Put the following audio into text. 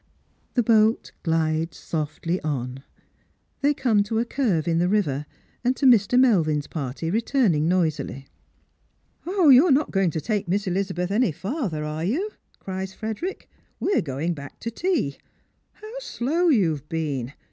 The boat glides softly on. They come to a curve in the river, and to Mr. iielvin'a party returning noisily. " You are not going to take Miss Ehzabeth any farther, ar« you?" cries Frederick. " "We are going back to tea. How slow you've been